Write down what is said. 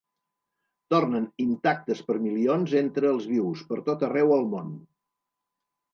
Tornen, intactes, per milions, entre els vius, per tot arreu al món.